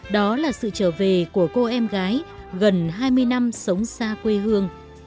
đó là sự trở về của cô em gái gần hai mươi năm sống xa quê hương